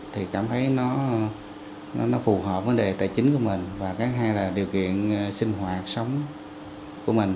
thì cảm thấy nó phù hợp vấn đề tài chính của mình và cái hai là điều kiện sinh hoạt sống của mình